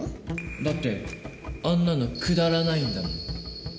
だってあんなのくだらないんだもん。